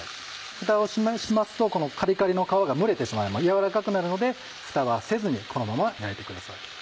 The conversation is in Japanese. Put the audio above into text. ふたをしますとこのカリカリの皮が蒸れてしまい軟らかくなるのでふたはせずにこのまま焼いてください。